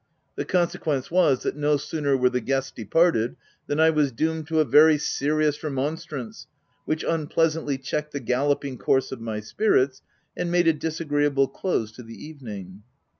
The consequence was, that no sooner were the guests departed, than I was doomed to a very serious remon strance, which unpleasantly checked the gallop ing course of my spirits, and made a disagreeable close to the evening.